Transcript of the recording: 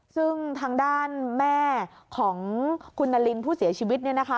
ซึ่งทางด้านแม่ของคุณนารินผู้เสียชีวิตเนี่ยนะคะ